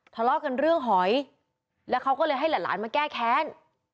ทะเลาะกันเรื่องหอยแล้วเขาก็เลยให้หลานมาแก้แค้น